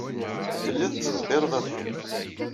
Telliḍ tettḍebbireḍ iɣef-nnem.